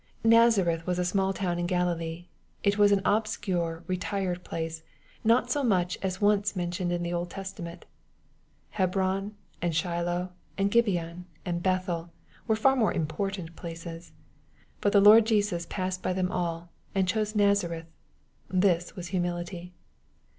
*' Nazareth was a small town in Galilee. It was an obscure, retired place, not so much as once mentioned in the Old Testament. Hebron, and Shiloh, and Gibeon, and Bethel, were far more important places. But the Lord Jesus passed by them all, and chose Nazareth* This was humility.